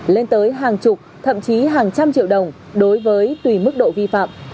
lên tới hàng chục thậm chí hàng trăm triệu đồng đối với tùy mức độ vi phạm